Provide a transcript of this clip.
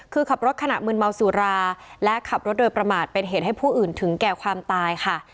คือขับรถขณะมืนเมาสุราและขับรถโดยประมาทเป็นเหตุให้ผู้อื่นถึงแก่ความตายค่ะ